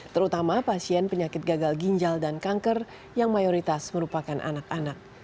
terutama pasien penyakit gagal ginjal dan kanker yang mayoritas merupakan anak anak